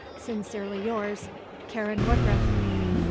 Sincerely yours, "Karen Woodruff."